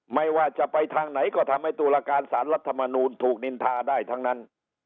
ไม่ว่าจะไปทางไหนก็ทำให้ตุลาการสารรัฐมนูลถูกนินทาได้ทั้งนั้น